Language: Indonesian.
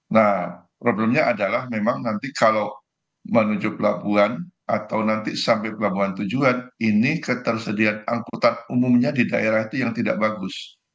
nah problemnya adalah memang nanti kalau menuju pelabuhan atau nanti sampai pelabuhan tujuan ini ketersediaan angkutan umumnya di daerah itu yang tidak bagus